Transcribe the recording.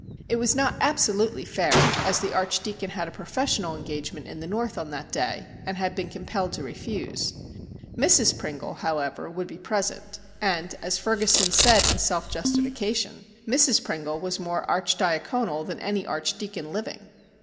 It was not absolutely fair, as the Archdeacon had a professional engagement in the North on that day, and had been compelled to refuse. Mrs Pringle, however, would be present, and, as Ferguson said in self justification, Mrs Pringle was more archidiaconal than any archdeacon living.